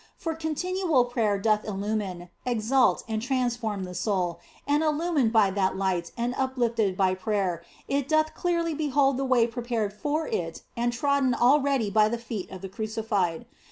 For continual prayer doth illumine, exalt, and transform the soul, and illumined by that light and uplifted by prayer, it doth clearly be hold the way prepared for it and trodden already by the feet of the Crucified.